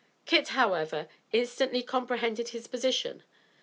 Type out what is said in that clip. Kit however instantly comprehended his position.